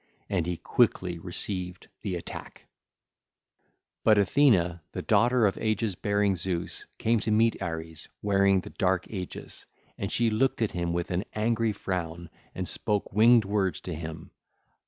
And he quickly received the attack. (ll. 443 449) But Athene the daughter of aegis bearing Zeus came to meet Ares, wearing the dark aegis, and she looked at him with an angry frown and spoke winged words to him.